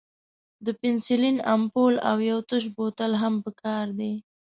د پنسلین امپول او یو تش بوتل هم پکار دی.